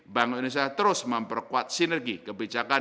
bank indonesia terus memperkuat sinergi kebijakan